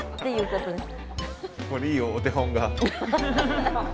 ここにいいお手本が。